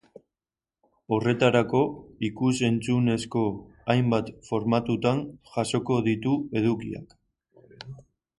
Horretarako, ikus-entzunezko hainbat formatutan jasoko ditu edukiak.